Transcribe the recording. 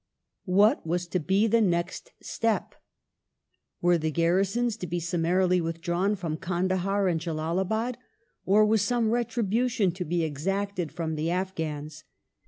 What was to be the next step ? Were the garrisons to be Lord summarily withdrawn from Kandahar and Jalalabad or was some ^^^eeded retribution to be exacted from the Afghans